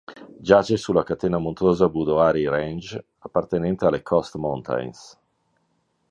Giace sulla catena montuosa "Boundary Ranges" appartenente alle Coast Mountains.